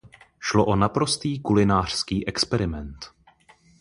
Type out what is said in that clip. Šlo o naprostý kulinářský experiment.